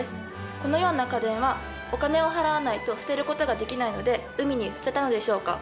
このような家電はお金を払わないと捨てることができないので海に捨てたのでしょうか？